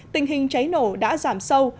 tình hình cháy nổ đã giảm sâu